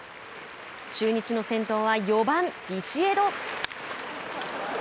中日の先頭は４番ビシエド。